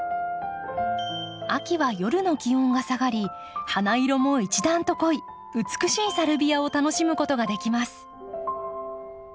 秋は夜の気温が下がり花色も一段と濃い美しいサルビアを楽しむことができます。